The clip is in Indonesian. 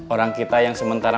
orang kita yang sementara